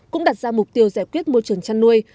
cũng đặt ra mục tiêu giải quyết môi trường chăn nuôi